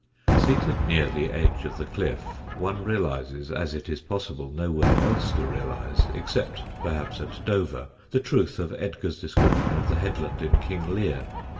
Seated near the edge of the cliff one realises, as it is possible nowhere else to realise, except perhaps at Dover, the truth of Edgar's description of the headland in King Lear.